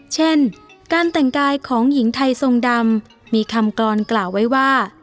เช่นการแต่งกายของหญิงไทยทรงดำมีคำกรอนกล่าวไว้ว่า